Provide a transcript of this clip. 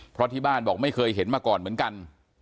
เพราะที่บ้านบอกไม่เคยเห็นมาก่อนเหมือนกัน